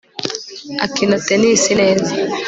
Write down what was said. akina tennis neza